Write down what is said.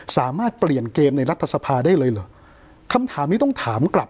สามารถเปลี่ยนเกมในรัฐสภาได้เลยเหรอคำถามนี้ต้องถามกลับ